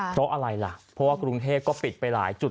เพราะอะไรล่ะเพราะว่ากรุงเทพก็ปิดไปหลายจุด